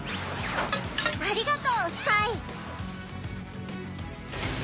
ありがとうスカイ。